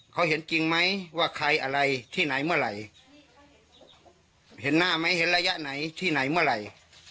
เขาเห็นจริงไหมว่าใครอะไรที่ไหนเมื่อไหร่เห็นหน้าไหมเห็นระยะไหนที่ไหนเมื่อไหร่